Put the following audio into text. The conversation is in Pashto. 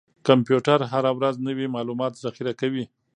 کمپیوټر هره ورځ نوي معلومات ذخیره کوي.